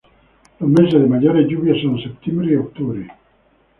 Los meses de mayores lluvias son septiembre y octubre.